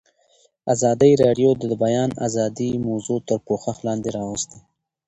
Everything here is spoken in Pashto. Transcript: ازادي راډیو د د بیان آزادي موضوع تر پوښښ لاندې راوستې.